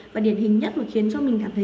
và điển hình nhất khiến cho mình cảm thấy